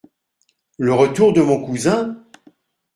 Le retour de mon cousin ?